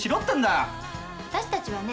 私たちはね